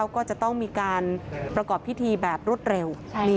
ก็จะต้องมีการประกอบพิธีแบบรวดเร็ว